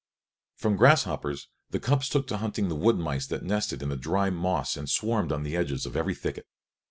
From grasshoppers the cubs took to hunting the wood mice that nested in the dry moss and swarmed on the edges of every thicket.